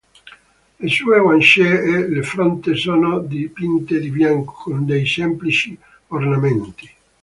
Le sue guance e la fronte sono dipinte di bianco con dei semplici ornamenti.